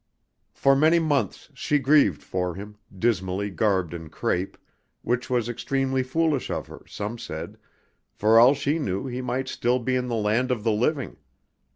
For many months she grieved for him, dismally garbed in crape, which was extremely foolish of her, some said, for all she knew he might still be in the land of the living.